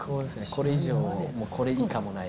これ以上もこれ以下もない。